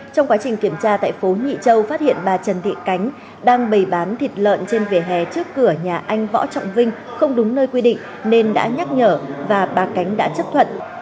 trong quá trình kiểm tra tại phố nhị châu phát hiện bà trần thị cánh đang bày bán thịt lợn trên vỉa hè trước cửa nhà anh võ trọng vinh không đúng nơi quy định nên đã nhắc nhở và bà cánh đã chấp thuận